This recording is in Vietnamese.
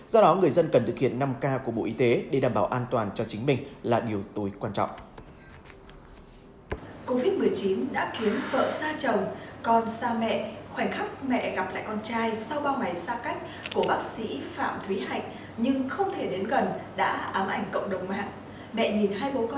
do đó người dân cần thực hiện năm k của bộ y tế để đảm bảo an toàn cho chính mình là điều tối quan trọng